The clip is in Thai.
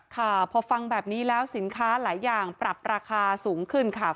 ค่ะพอฟังแบบนี้แล้วสินค้าหลายอย่างปรับราคาสูงขึ้นค่ะ